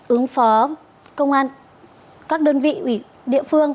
ứng phó công an các đơn vị địa phương